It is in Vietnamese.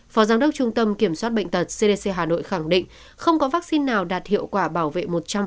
phó giám đốc trung tâm kiểm soát bệnh tật cdc hà nội khẳng định không có vaccine nào đạt hiệu quả bảo vệ một trăm linh